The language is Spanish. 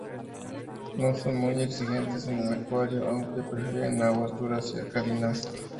No son muy exigentes en el acuario, aunque prefieren aguas duras y alcalinas.